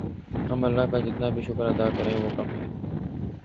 ہم اللہ کا جتنا بھی شکر ادا کریں وہ کم ہے